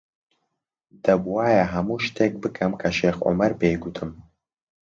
دەبووایە هەموو شتێک بکەم کە شێخ عومەر پێی گوتم.